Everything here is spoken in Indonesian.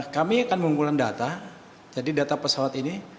kami akan mengumpulkan data jadi data pesawat ini